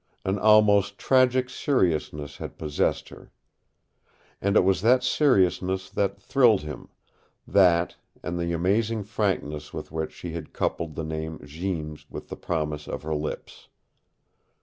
An almost tragic seriousness had possessed her. And it was that seriousness that thrilled him that, and the amazing frankness with which she had coupled the name Jeems with the promise of her lips.